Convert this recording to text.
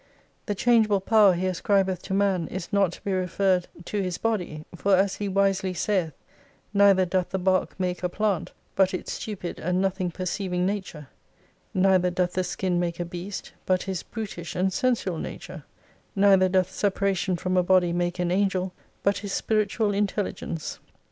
The changeable power he ascribeth to man is not to be referred to his 298 body, for as he wisely saith, neither doth the bark make a plant, but its stupid and nothing perceiving nature : neither doth the skin make a beast, but his brutish and sensual nature, neither doth separation from a body make an Angel but his Spiritual intelligence.